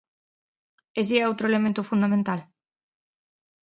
Ese é outro elemento fundamental.